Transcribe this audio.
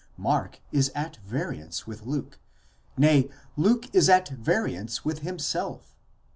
Mark is at variance with Luke, nay, Luke is at variance with himself.